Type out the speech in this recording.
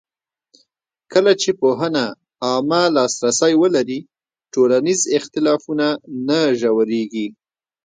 کله چې پوهنه عامه لاسرسی ولري، ټولنیز اختلافونه نه ژورېږي.